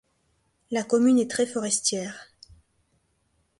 La commune est très forestière.